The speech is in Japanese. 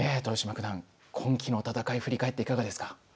豊島九段今期の戦い振り返っていかがですか。